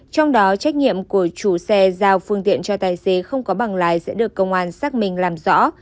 trong đó trách nhiệm của chủ xe giao phương tiện cho tài xế không có bằng lái sẽ được công an xác minh làm rõ